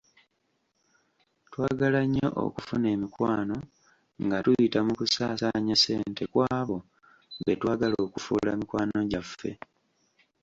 Twagala nnyo okufuna emikwano nga tuyita mu kusaasaanya ssente ku abo betwagala okufuula mikwano gyaffe.